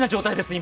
今。